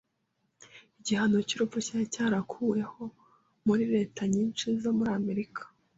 Igihano cyurupfu cyari cyarakuweho muri leta nyinshi zo muri Amerika.